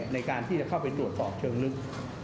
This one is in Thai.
ในการที่จะเข้าไปตรวจสอบเชิงลึก